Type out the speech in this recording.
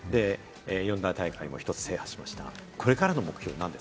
四大大会も１つ制覇しました。